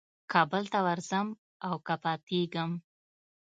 کابل ته ورځم او که پاتېږم.